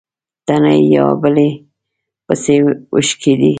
تڼۍ يوه په بلې پسې وشکېدې.